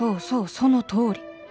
そうそのとおり。